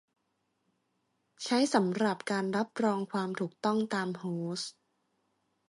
ใช้สำหรับการรับรองความถูกต้องตามโฮสต์